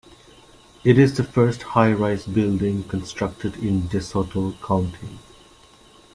It is the first high-rise building constructed in DeSoto County.